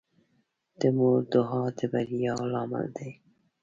د مور دعا د بریا لامل ده.